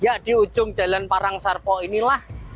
ya di ujung jalan parang sarpo inilah